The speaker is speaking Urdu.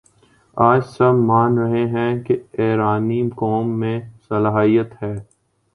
آج سب مان رہے ہیں کہ ایرانی قوم میں صلاحیت ہے